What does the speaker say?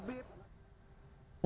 jalan jalan jalan